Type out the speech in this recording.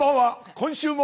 今週も。